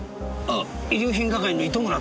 あっ遺留品係の糸村だ。